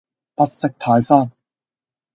不識泰山